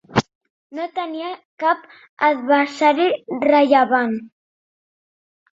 No tenia cap adversari rellevant.